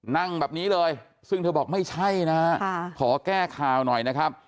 นั่งแบบนี้เลยซึ่งเธอบอกไม่ใช่นะฮะขอแก้ข่าวหน่อยนะครับ